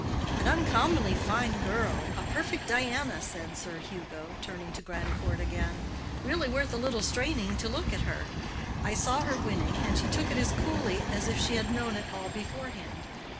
"An uncommonly fine girl, a perfect Diana," said Sir Hugo, turning to Grandcourt again. "Really worth a little straining to look at her. I saw her winning, and she took it as coolly as if she had known it all beforehand.